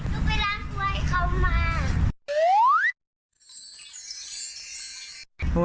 หนูไปล้างตัวให้เขามา